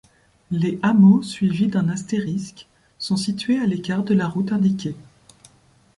Les hameaux suivis d'un astérisque sont situés à l'écart de la route indiquée.